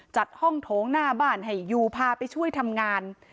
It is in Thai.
จัดห้องโถงหน้าบ้านให้ยูพาไปช่วยทำงาน